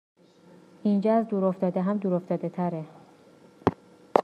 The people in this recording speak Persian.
اینجااز دور افتاده هم دور افتاده تره